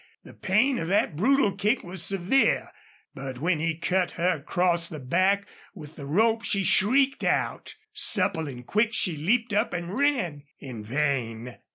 The pain of that brutal kick was severe, but when he cut her across the bare back with the rope she shrieked out. Supple and quick, she leaped up and ran. In vain!